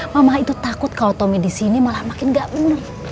mama itu takut kalo tommy disini malah makin gak bene